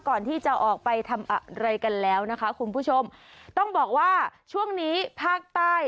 ก่อนที่จะออกไปทำอะไรกันแล้วนะคะคุณผู้ชมต้องบอกว่าช่วงนี้ภาคใต้